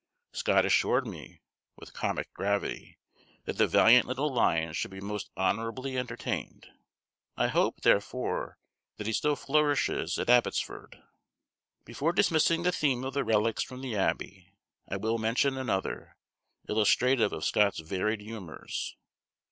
Scott assured me, with comic gravity, that the valiant little lion should be most honorably entertained; I hope, therefore, that he still flourishes at Abbotsford. Before dismissing the theme of the relics from the Abbey, I will mention another, illustrative of Scott's varied humors.